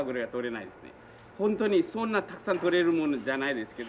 ホントにそんなたくさんとれる物じゃないんですけど。